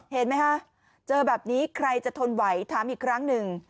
เห็นไหมคะเจอแบบนี้ใครจะทนไหวถามอีกครั้งหนึ่ง